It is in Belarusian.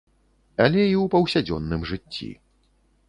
Але і ў паўсядзённым жыцці.